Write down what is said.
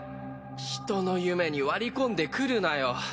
人の夢に割り込んでくるなよ。